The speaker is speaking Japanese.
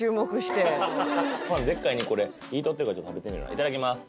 これいただきます